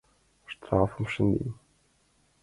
Штрафым шынден...